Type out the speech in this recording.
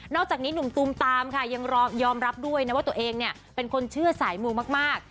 อกจากนี้หนุ่มตูมตามค่ะยังยอมรับด้วยนะว่าตัวเองเนี่ยเป็นคนเชื่อสายมูมาก